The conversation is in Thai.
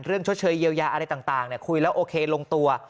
เรื่องเฉาะเชยเยียวยาอะไรต่างคุยแล้วโอเคลงตัว